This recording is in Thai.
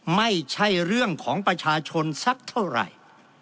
ไม่ใช่เรื่องของประชาชนสักเท่าไหร่